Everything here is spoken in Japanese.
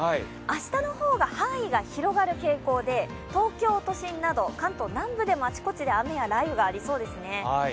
明日のほうが範囲が広がる傾向で、東京都心など関東南部でもあちこちで雨や雷雨がありそうですね。